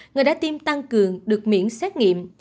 người đã tiêm tăng cường được miễn xét nghiệm